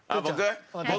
僕？